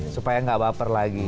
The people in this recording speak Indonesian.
supaya enggak baper lagi